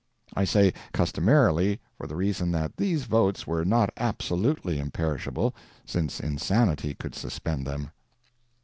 I say "customarily" for the reason that these votes were not absolutely imperishable, since insanity could suspend them.